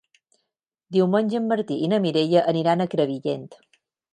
Diumenge en Martí i na Mireia aniran a Crevillent.